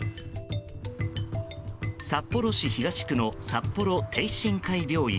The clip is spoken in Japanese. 札幌市東区の札幌禎心会病院。